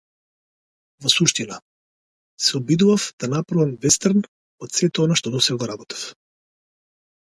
Во суштина, се обидував да направам вестерн од сето она што досега го работев.